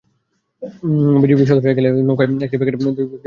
BGB সদস্যরা এগিয়ে গেলে নৌকায় একটি প্যাকেট ফেলে দুই ব্যক্তি দৌড়ে পালায়।